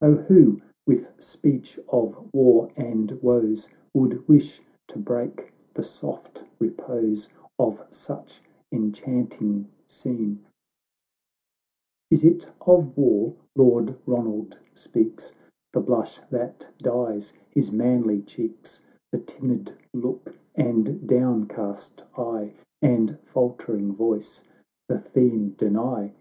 O who, with speech of war and woes, AVould wish to break the soft repose Of such enchanting scene ! XIV Is it of war Lord Ronald speaks ? The blush that dyes his manly cheeks, The timid look, and down ca.st eye, And faltering voice, the theme deny.